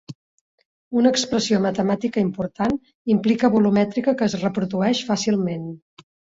Una expressió matemàtica important implica volumètrica que es reprodueix fàcilment.